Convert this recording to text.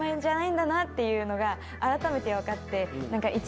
んだなっていうのが改めて分かって。